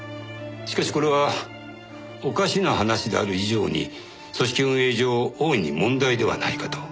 しかしこれはおかしな話である以上に組織運営上大いに問題ではないかと。